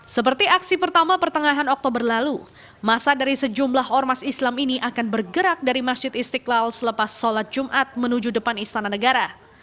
seperti aksi pertama pertengahan oktober lalu masa dari sejumlah ormas islam ini akan bergerak dari masjid istiqlal selepas sholat jumat menuju depan istana negara